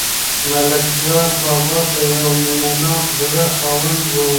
ملکیار بابا د یو مینه ناک زړه خاوند و.